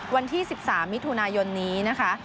วันที่๑๓มิถุนายนนี้นะคะ